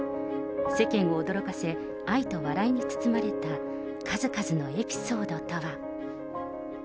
世間を驚かせ、愛と笑いに包まれた、数々のエピソードとは。